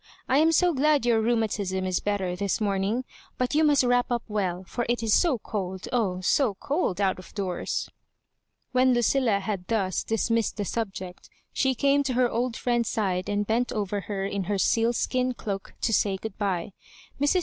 I am so glad your rheumatism is better this morning ; but you must wrap up well, for it is so cold, oh, so cold, out of doors 1" When Lucilla had thus dismissed the subject, she came to her old friend's side and bent over her in her sealskin cloak, to say good bye. Mrs.